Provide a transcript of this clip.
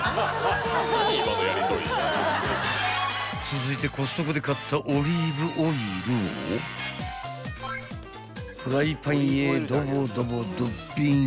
［続いてコストコで買ったオリーブオイルをフライパンへドボドボドッピン］